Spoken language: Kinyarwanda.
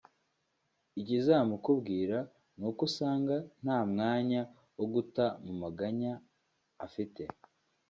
Ikizamukubwira ni uko usanga nta mwanya wo guta mu maganya afite